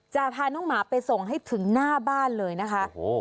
จะพาน้องหมาไปส่งให้ถึงหน้าบ้านเลยนะคะ